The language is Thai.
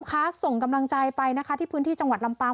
คะส่งกำลังใจไปนะคะที่พื้นที่จังหวัดลำปาง